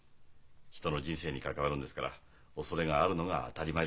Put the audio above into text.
人の人生に関わるんですから恐れがあるのが当たり前です。